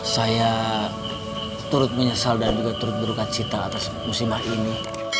saya turut menyesal dan juga turut berukacita atas musimah ini